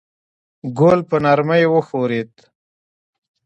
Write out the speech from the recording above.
ګل په نرمۍ وښورېد.